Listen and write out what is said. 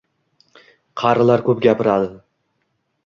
Qarilar ko‘p gapiradi.